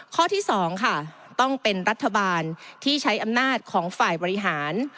ข้อที่๒ค่ะต้องเป็นรัฐบาลที่ใช้อำนาจของฝ่ายบริหาร